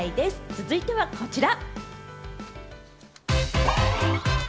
続いてはこちら。